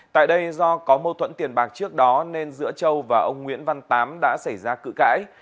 tại đây do có mâu thuẫn tiền bạc trước đó nên giữa châu và ông nguyễn văn tám đã xảy ra cự cãi